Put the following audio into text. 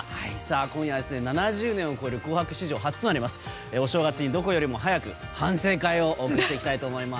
今夜は７０年を超える「紅白」史上初となりますお正月にどこよりも早く反省会をお伝えします。